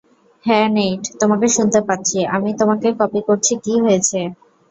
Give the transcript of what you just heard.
হ্যা, নেইট, তোমাকে শুনতে পাচ্ছি আমি তোমাকে কপি করছি কি হয়েছে?